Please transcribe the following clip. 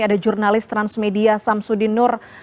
ada jurnalis transmedia samsudin nur